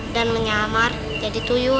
dan menyamar jadi tuyul